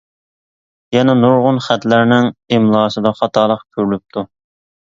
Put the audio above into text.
يەنە نۇرغۇن خەتلەرنىڭ ئىملاسىدا خاتالىق كۆرۈلۈپتۇ.